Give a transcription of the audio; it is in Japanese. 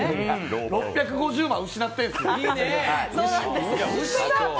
６５０万失ってるんですよ！